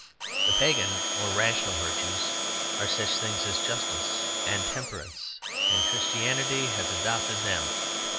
The pagan, or rational, virtues are such things as justice and temperance, and Christianity has adopted them.